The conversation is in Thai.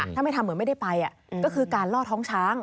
ถ้าไม่ทำเหมือนไม่ได้ไปก็คือการล่อท้องช้าง